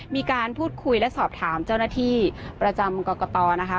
มีการพูดคุยและสอบถามเจ้าหน้าที่ประจำกรกตนะคะ